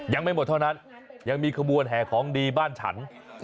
ยังไม่หมดเท่านั้นยังมีขบวนแห่ของดีบ้านฉัน